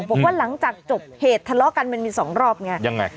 บอกว่าหลังจากจบเหตุทะเลาะกันมันมีสองรอบไงยังไง